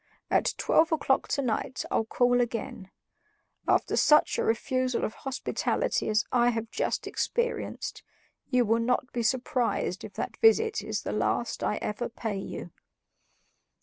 At twelve o'clock tonight I'll call again; after such a refusal of hospitality as I have just experienced, you will not be surprised if that visit is the last I ever pay you."